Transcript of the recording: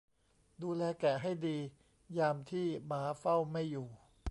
ดูแลแกะให้ดียามที่หมาเฝ้าไม่อยู่